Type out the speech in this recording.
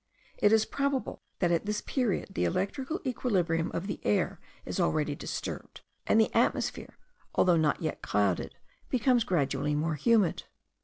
It is probable, that at this period the electrical equilibrium of the air is already disturbed, and the atmosphere, although not yet clouded, becomes gradually more humid.